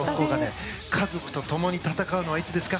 家族と共に戦うのはいつですか？